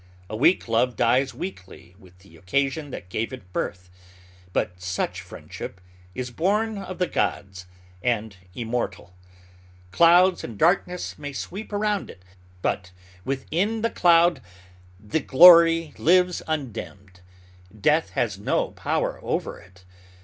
A weak love dies weakly with the occasion that gave it birth; but such friendship is born of the gods, and immortal. Clouds and darkness may sweep around it, but within the cloud the glory lives undimmed. Death has no power over it.